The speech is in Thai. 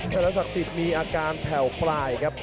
ชนะศักดิ์สิทธิ์มีอาการแผ่วปลายครับ